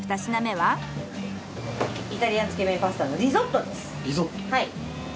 はい。